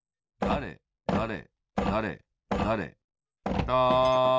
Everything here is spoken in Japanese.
だれだれ